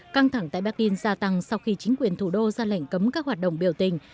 căng thẳng tại berlin gia tăng sau khi chính quyền thủ đô ra lệnh cấm các hoạt động biểu tình